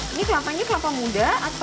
ini kelapanya kelapa muda